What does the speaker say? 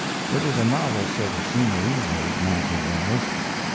It was a novel sort of scenery, those mountain walls.